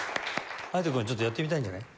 隼人君ちょっとやってみたいんじゃない？